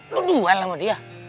lu duel sama dia